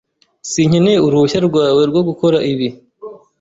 Sinkeneye uruhushya rwawe rwo gukora ibi.